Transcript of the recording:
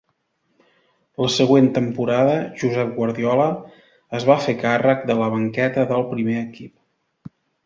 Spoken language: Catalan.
La següent temporada, Josep Guardiola es va fer càrrec de la banqueta del primer equip.